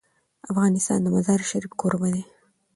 افغانستان د مزارشریف کوربه دی.